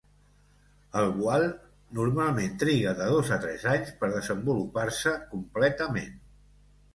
El "voile" normalment triga de dos a tres anys per desenvolupar-se completament.